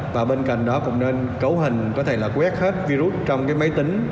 và bên cạnh đó cũng nên cấu hình có thể là quét hết virus trong cái máy tính